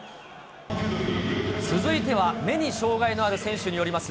続いては、目に障がいのある選手によります